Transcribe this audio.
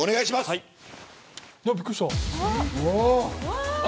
びっくりした。